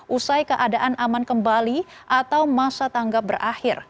usai keadaan aman kembali atau masa tanggap berakhir